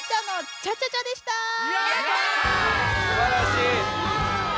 すばらしい。